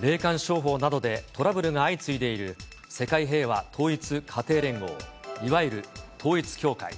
霊感商法などでトラブルが相次いでいる世界平和統一家庭連合、いわゆる統一教会。